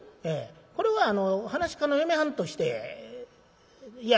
これはあの噺家の嫁はんとしていや